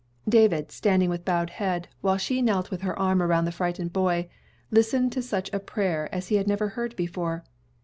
David, standing with bowed head, while she knelt with her arm around the frightened boy, listened to such a prayer as he had never heard before.